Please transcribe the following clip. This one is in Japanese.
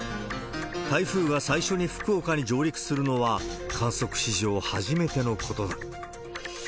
台風が最初に福岡に上陸するのは、観測史上初めてのことだ。